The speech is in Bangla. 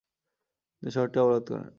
তিনি শহরটি অবরোধ করেন।